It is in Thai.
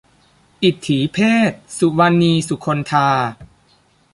อิตถีเพศ - สุวรรณี สุคนธา